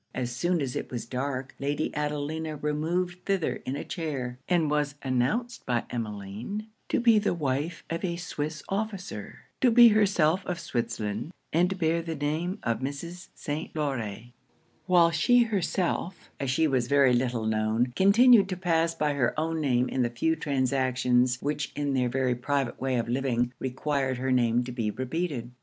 As soon as it was dark, Lady Adelina removed thither in a chair; and was announced by Emmeline to be the wife of a Swiss officer, to be herself of Switzerland, and to bear the name of Mrs. St. Laure while she herself, as she was very little known, continued to pass by her own name in the few transactions which in their very private way of living required her name to be repeated.